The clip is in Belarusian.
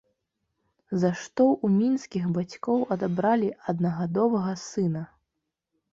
За што ў мінскіх бацькоў адабралі аднагадовага сына.